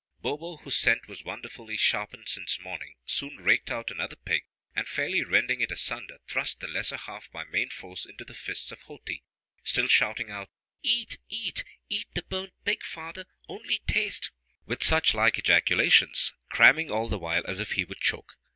Bo bo, whose scent was wonderfully sharpened since morning, soon raked out another pig, and fairly rending it asunder, thrust the lesser half by main force into the fists of Ho ti, still shouting out, "Eat, eat, eat the burnt pig, father, only taste," with such like ejaculations, cramming all the while as if he would choke.